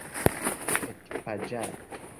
retpaĝaro